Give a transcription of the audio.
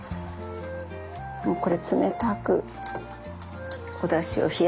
もうこれ冷たくおだしを冷やしてあります。